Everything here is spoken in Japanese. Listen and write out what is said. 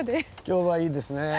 今日はいいですねぇ。